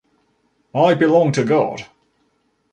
I belong to God.